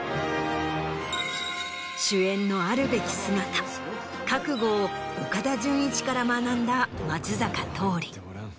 主演のあるべき姿覚悟を岡田准一から学んだ松坂桃李。